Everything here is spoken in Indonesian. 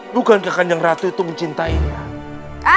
bukankah yang ratu itu mencintainya